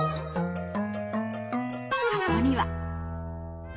そこには